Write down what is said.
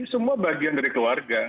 semua bagian dari keluarga